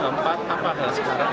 di tempat ini kita bangsa bersama sama